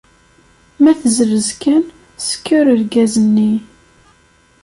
Ma tezlez kan, sekkeṛ lgaz-nni.